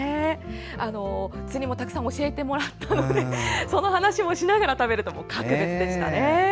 釣りもたくさん教えてもらったのでその話もしながら食べると格別でしたね。